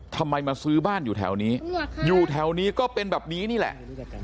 ทำไมมาซื้อบ้านอยู่แถวนี้อยู่แถวนี้ก็เป็นแบบนี้นี่แหละ